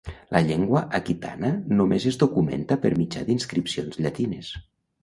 La llengua aquitana només es documenta per mitjà d'inscripcions llatines.